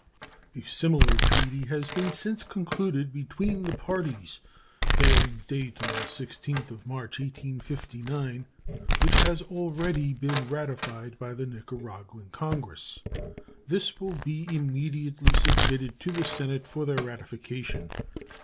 A similar treaty has been since concluded between the parties, bearing date on the 16th March, 1859, which has already been ratified by the Nicaraguan Congress. This will be immediately submitted to the Senate for their ratification.